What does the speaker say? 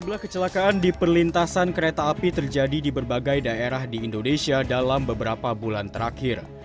sebelah kecelakaan di perlintasan kereta api terjadi di berbagai daerah di indonesia dalam beberapa bulan terakhir